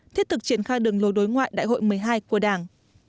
thiết thực triển khai đường lối đối ngoại đại hội một mươi hai của đảng